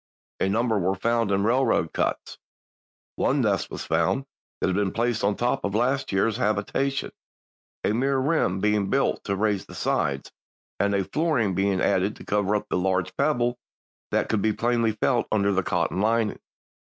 A number were found in railroad cuts. One nest was found that had been placed on top of a last year's habitation, a mere rim being built to raise the sides, and a flooring being added to cover up a large pebble that could be plainly felt under the cotton lining."